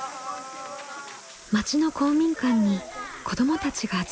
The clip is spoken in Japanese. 町の公民館に子どもたちが集まってきます。